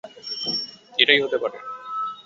এটাই হতে পারে।